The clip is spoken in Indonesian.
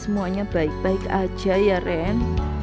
semuanya baik baik aja ya ren